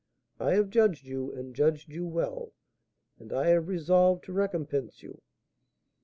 I have judged you, and judged you well, and I have resolved to recompense you."